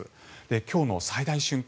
今日の最大瞬間